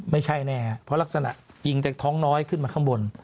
ไม่ใช่แน่เพราะลักษณะยิงจากท้องน้อยขึ้นมาข้างบน